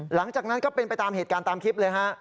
หลังจากนั้นก็เป็นไปตามเหตุการณ์ตามคลิปเลยฮะ